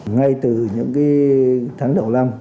ngay từ những cái tháng đầu năm